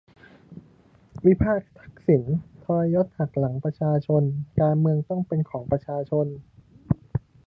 วิพากษ์ทักษิณ ทรยศหักหลังประชาชน การเมืองต้องเป็นของประชาชน